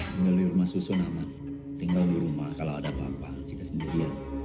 tinggal di rumah susu namat tinggal di rumah kalau ada apa apa kita sendiri